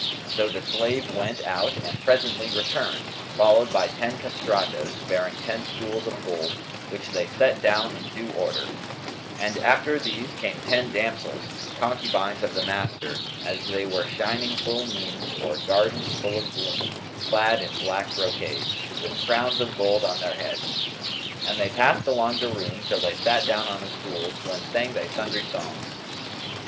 So the slave went out and presently returned, followed by ten castratos, bearing ten stools of gold, which they set down in due order; and after these came ten damsels, concubines of the master, as they were shining full moons or gardens full of bloom, clad in black brocade, with crowns of gold on their heads; and they passed along the room till they sat down on the stools, when sang they sundry songs.